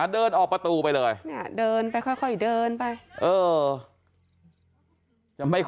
เดินออกประตูไปเลยเดินไปค่อยเดินไป